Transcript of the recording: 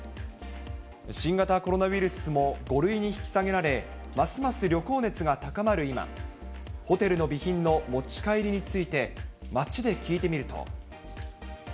新型コロナウイルスも５類に引き下げられ、ますます旅行熱が高まる今、ホテルの備品の持ち帰りについて、街で聞いてみると。